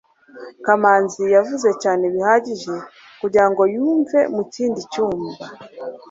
kamanzi yavuze cyane bihagije kugirango yumve mu kindi cyumba